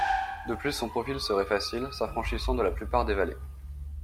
De plus son profil serait facile, s'affranchissant de la plupart des vallées.